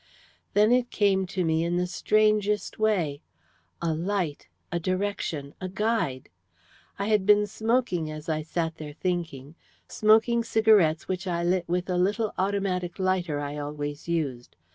"Then it came to me in the strangest way a light, a direction, a guide. I had been smoking as I sat there thinking smoking cigarettes which I lit with a little automatic lighter I always used.